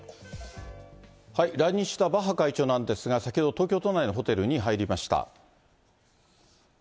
来日したバッハ会長なんですが、先ほど、東京都内のホテルに入りました。